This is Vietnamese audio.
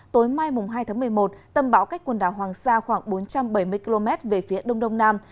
tối mai hai tháng một mươi một tâm bão cách quần đảo hoàng sa khoảng bốn trăm bảy mươi km về phía đông đông nam